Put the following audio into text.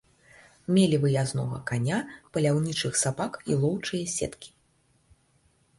Мелі выязнога каня, паляўнічых сабак і лоўчыя сеткі.